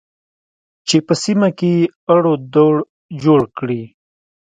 چې په سیمه کې اړو دوړ جوړ کړي